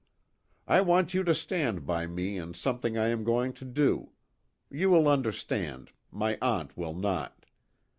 " I want you to stand by me in something I am going to do you will understand, my aunt will not.